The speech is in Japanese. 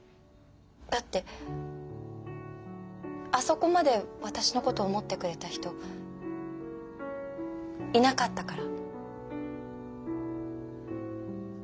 だってあそこまで私のこと思ってくれた人いなかったから。